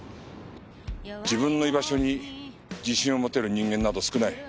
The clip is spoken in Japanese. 自分の居場所に自信を持てる人間など少ない。